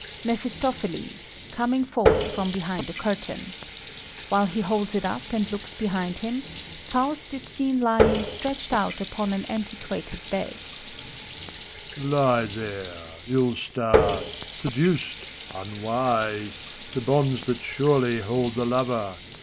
MEPHISTOPHELES {coming forth from behind a curtain. While he holds it up and looks behind him, Faust is seen lying stretched out upon an antiquated bed), I IE there, ill starred! seduced, unwise, J To bonds that surely hold the lover!